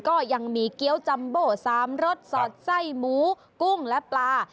ก็ยังมีเกี้ยวจัมโบ๓รสสอดไส้หมูกุ้งและปลา